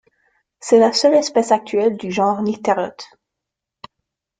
C'est la seule espèce actuelle du genre Nyctereutes.